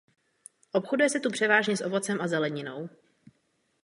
Obchoduje se tu převážně s ovocem a zeleninou.